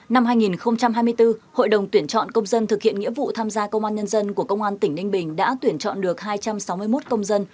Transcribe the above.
năm hai nghìn hai mươi bốn hội đồng tuyển chọn công dân thực hiện nghĩa vụ tham gia công an nhân dân của công an tỉnh ninh bình đã tuyển chọn được hai trăm sáu mươi một công dân